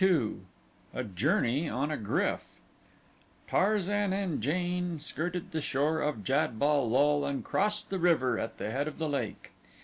22 A Journey on a Gryf Tarzan and Jane skirted the shore of Jad bal lul and crossed the river at the head of the lake.